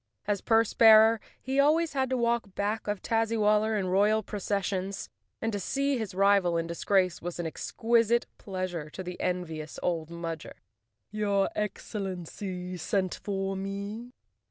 As purse bearer he always had to walk back of Tazzywal¬ ler in royal processions, and to see his rival in disgrace was an exquisite pleasure to the envious old Mudger. "Tour Excellency sent for me?"